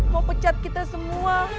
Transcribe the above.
mau pecat kita semua